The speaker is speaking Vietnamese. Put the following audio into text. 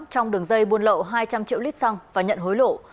trong đường dây buôn lậu hai trăm linh triệu lít xăng và nhận hối lộ